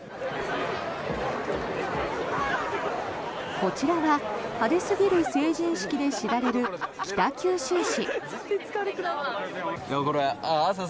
こちらは派手すぎる成人式で知られる北九州市。